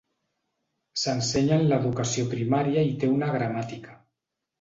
S'ensenya en l'educació primària i té una gramàtica.